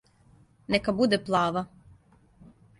Нека буде плава!